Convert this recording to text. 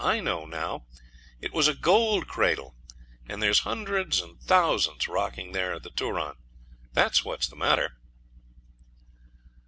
I know now; it was a gold cradle, and there's hundreds and thousands rocking there at the Turon. That's what's the matter.'